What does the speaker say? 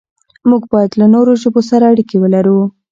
موږ بايد له نورو ژبو سره اړيکې ولرو.